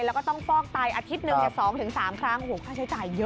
แล้วก็ต้องฟอกไตอาทิตย์หนึ่ง๒๓ครั้งค่าใช้จ่ายเยอะ